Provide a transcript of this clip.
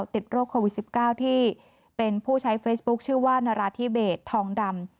ติดโรคโควิด๑๙ที่เป็นผู้ใช้เฟซบุ๊คชื่อว่านาราธิเบสทองดำ